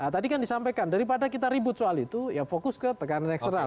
tadi kan disampaikan daripada kita ribut soal itu ya fokus ke tekanan eksternal